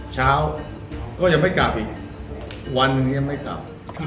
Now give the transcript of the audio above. เช้าก็ยังไม่กลับอีกวันหนึ่งยังไม่กลับ